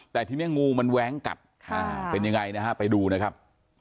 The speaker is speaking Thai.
แต่ทีนี้งูมันแว้งกัดเป็นยังไงนะฮะไปดูนะครับ